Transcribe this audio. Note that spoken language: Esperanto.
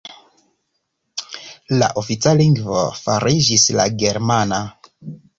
La ofica lingvo fariĝis la germana.